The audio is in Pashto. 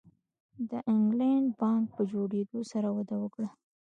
د انګلینډ بانک په جوړېدو سره وده وکړه.